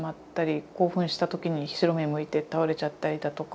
興奮した時に白目むいて倒れちゃったりだとか。